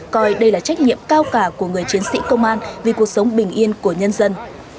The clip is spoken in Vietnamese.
coi đây là trách nhiệm cao cả của người chiến sĩ công an vì cuộc sống bình yên của nhân dân